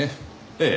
ええ。